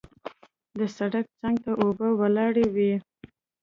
د سړک څنګ ته اوبه ولاړې وې.